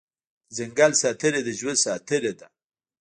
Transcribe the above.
د ځنګل ساتنه د ژوند ساتنه ده